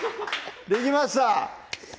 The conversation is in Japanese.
できました